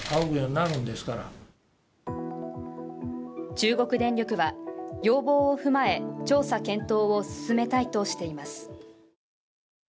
中国電力は要望を踏まえ調査検討を進めたいとしています。